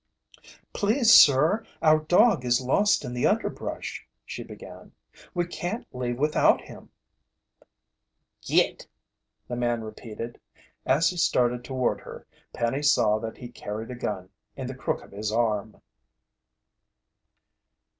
"Please, sir, our dog is lost in the underbrush," she began. "We can't leave without him " "Git!" the man repeated. As he started toward her, Penny saw that he carried a gun in the crook of his arm.